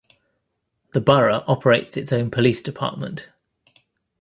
The Borough operates its own police department.